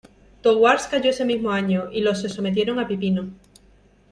Thouars cayó ese mismo año, y los se sometieron a Pipino.